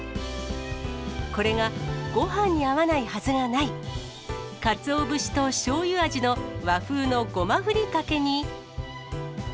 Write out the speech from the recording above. これがごはんに合わないはずがない、かつお節としょうゆ味の和風のごまふりかけに。